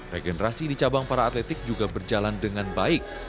regenerasi di cabang para atletik juga berjalan dengan baik